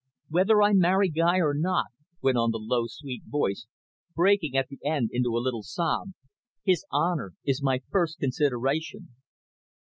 "Whether I marry Guy or not," went on the low, sweet voice, breaking at the end into a little sob, "his honour is my first consideration."